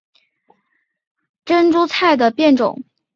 云贵腺药珍珠菜是报春花科珍珠菜属腺药珍珠菜的变种。